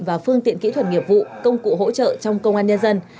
và phương tiện kỹ thuật nghiệp vụ công cụ hỗ trợ trong công an nhân dân